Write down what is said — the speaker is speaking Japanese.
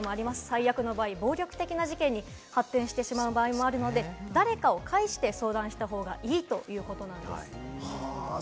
最悪の場合、暴力的な事件に発展してしまう場合もあるので、誰かを介して相談したほうがいいということです。